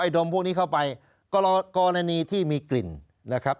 ดมพวกนี้เข้าไปกรณีที่มีกลิ่นนะครับ